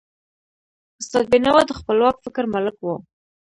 استاد بینوا د خپلواک فکر مالک و.